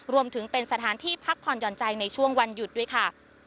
รวมถึงเป็นสถานที่พักผ่อนหย่อนใจในช่วงวันหยุดด้วยค่ะ